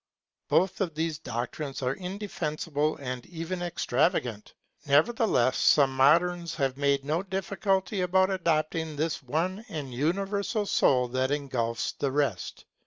Both of these doctrines are indefensible and even extravagant; nevertheless some moderns have made no difficulty about adopting this one and universal Soul that engulfs the rest.